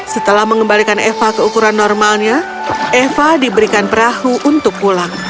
setelah mengembalikan eva ke ukuran normalnya eva diberikan perahu untuk pulang